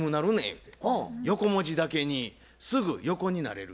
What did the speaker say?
言うて「横文字だけにすぐ横になれる」